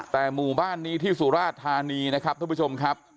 แต่หมู่บ้านนี้ที่สุราชธานีนะครับทุกผู้ชมครับ